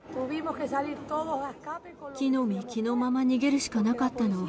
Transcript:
着のみ着のまま逃げるしかなかったの。